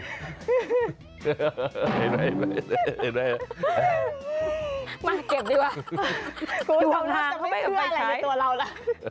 มาเก็บดีกว่าคุณสำนักจะไม่เพื่ออะไรในตัวเราล่ะ